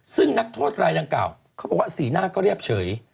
ซึ่งนักโทษรายดังกล่าวเขาบอกว่าสีหน้าก็เรียบเฉย